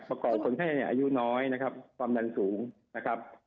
ประกอบคนไข้อายุน้อยนะครับความดันสูงนะครับ